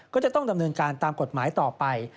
ก็จะต้องดำเนินการตามกฎหมายต่อไป